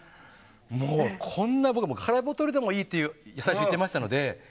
もうこんなことが空ボトルでもいいと言っていましたので。